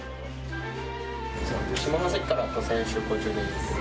下関から渡船出港中です。